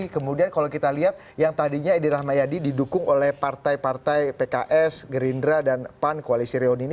kemudian kalau kita lihat yang tadinya edi rahmayadi didukung oleh partai partai pks gerindra dan pan koalisi reon ini